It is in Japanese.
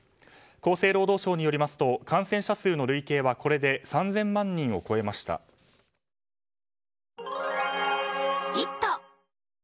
厚生労働省によりますと感染者数の累計はこれで３０００万人を超えました。